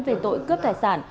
về tội cướp tài sản